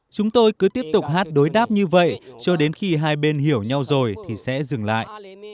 chúng tôi cứ tiếp tục hát đối đáp như vậy cho đến khi hai bên hiểu nhau rồi thì sẽ dừng lại